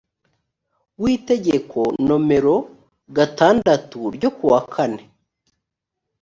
w itegeko nomero gatandatu ryo kuwa kane